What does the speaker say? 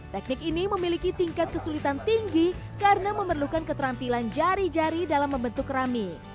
teknik ini memiliki tingkat kesulitan tinggi karena memerlukan keterampilan jari jari dalam membentuk kerami